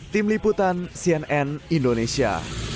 tim liputan cnn indonesia